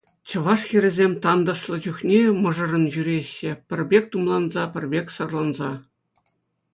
Чӑваш хӗрӗсем тантӑшлӑ чухне мӑшӑррӑн ҫӳреҫҫӗ, пӗр пек тумланса, пӗр пек сӑрланса.